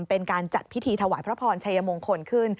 เป็นการจัดพิธีถวายพระพรชัยมงคลขึ้น